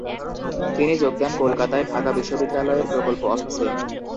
তিনি যোগ দেন কলকাতায় ঢাকা বিশ্ববিদ্যালয়ের প্রকল্প অফিসে।